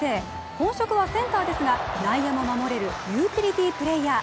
本職はセンターですが、内野も守れるユーティリティープレーヤー。